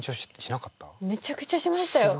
めちゃくちゃしましたよ。